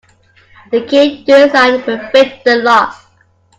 The key you designed will fit the lock.